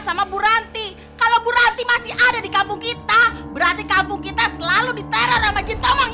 sama bu ranti kalau bu ranti masih ada di kampung kita berarti kampung kita selalu diteror sama jin tomong ya gak